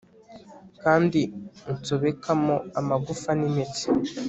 kandi unsobekamo amagufa n'imitsi